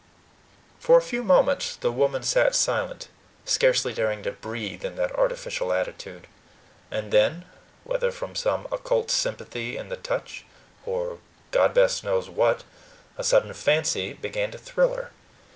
For a few moments the woman sat silent, scarcely daring to breathe in that artificial attitude. And then, whether from some occult sympathy in the touch, or God best knows what, a sudden fancy began to thrill her.